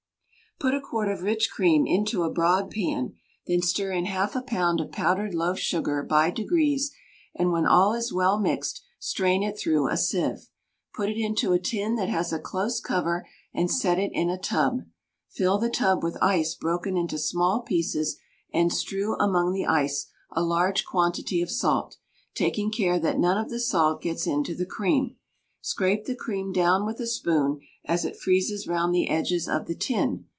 Put a quart of rich cream into a broad pan; then stir in half a pound of powdered loaf sugar by degrees, and when all is well mixed, strain it through a sieve. Put it into a tin that has a close cover, and set it in a tub. Fill the tub with ice broken into small pieces, and strew among the ice a large quantity of salt, taking care that none of the salt gets into the cream. Scrape the cream down with a spoon as it freezes round the edges of the tin.